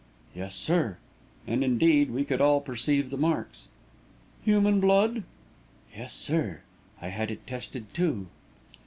"Yes, sir;" and, indeed, we could all perceive the marks. "Human blood?" "Yes, sir. I had it tested, too."